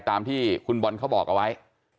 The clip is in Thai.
ตามที่คุณบอลเขาบอกเอาไว้